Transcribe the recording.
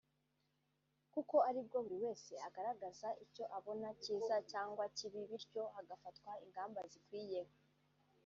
kuko aribwo buri wese agaragaza icyo abona cyiza cyangwa kibi bityo hagafatwa ingamba zikwiye